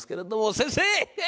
先生！